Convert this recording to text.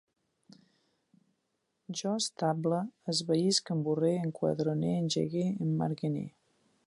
Jo estable, esvaïsc, emborre, enquadrone, engegue, esmargene